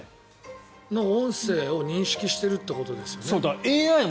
その音声を認識しているってことですよね。